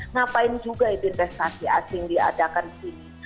ngapain juga itu investasi asing diadakan di sini